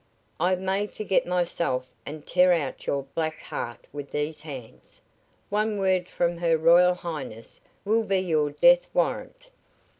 I may forget myself and tear out your black heart with these hands. One word from Her Royal Highness will be your death warrant."